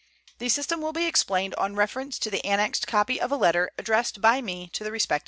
(The system will be explained on reference to the annexed copy of a letter 1 addressed by me to the respective settlers.)